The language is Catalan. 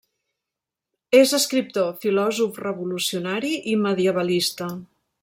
És escriptor, filòsof revolucionari i medievalista.